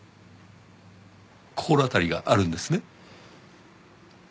心当たりがあるんですね？